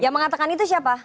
yang mengatakan itu siapa